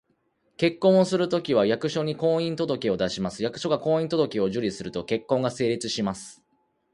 結婚をするときは、役所に「婚姻届」を出します。役所が「婚姻届」を受理すると、結婚が成立します